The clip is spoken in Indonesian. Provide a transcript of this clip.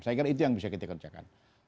saya kira itu yang bisa kita kerjakan